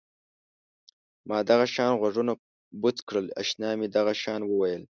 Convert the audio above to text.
ما دغه شان غوږونه بوڅ کړل اشنا مې دغه شان وویل.